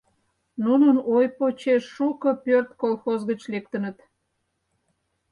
Нунын ой почеш шуко пӧрт колхоз гыч лектыныт.